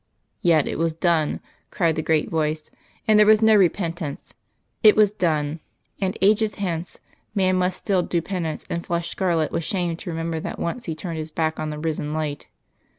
Yet it was done, cried the great voice, and there was no repentance; it was done, and ages hence man must still do penance and flush scarlet with shame to remember that once he turned his back on the risen light.